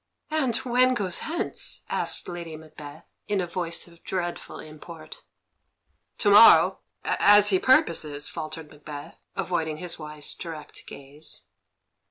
"And when goes hence?" asked Lady Macbeth, in a voice of dreadful import. "To morrow as he purposes," faltered Macbeth, avoiding his wife's direct gaze.